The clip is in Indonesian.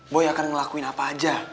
boy akan ngelakuin apa aja